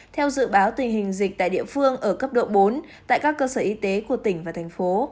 theo dự báo tình hình dịch tại địa phương ở cấp độ bốn tại các cơ sở y tế của tỉnh và thành phố